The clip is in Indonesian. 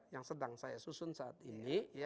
yang sedang saya susun saat ini